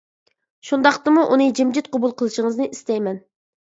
شۇنداقتىمۇ ئۇنى جىمجىت قوبۇل قىلىشىڭىزنى ئىستەيمەن.